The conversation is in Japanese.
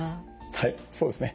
はいそうですね。